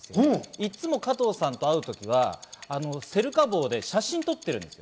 いつも加藤さんと会う時はセルカ棒で写真を撮ってるんですよ。